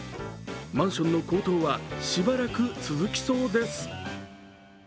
マンションの高騰はしばらく続きそうです。